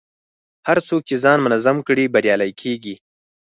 هر څوک چې ځان منظم کړي، بریالی کېږي.